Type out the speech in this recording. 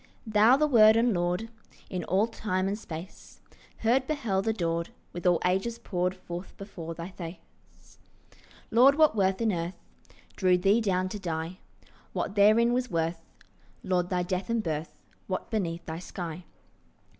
Thou the Word and Lord In all time and space Heard, beheld, adored, With all ages poured Forth before thy face, Lord, what worth in earth Drew thee down to die? What therein was worth, Lord, thy death and birth? What beneath thy sky?